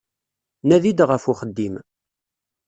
Nadi-d ɣef uxeddim.